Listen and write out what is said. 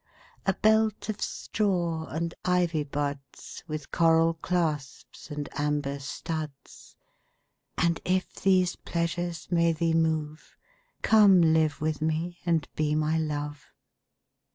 A belt of straw and ivy buds With coral clasps and amber studs: And if these pleasures may thee move, Come live with me and be my Love.